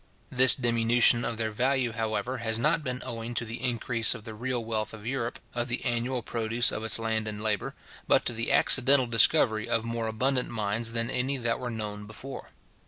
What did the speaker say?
This diminution of their value, however, has not been owing to the increase of the real wealth of Europe, of the annual produce of its land and labour, but to the accidental discovery of more abundant mines than any that were known before.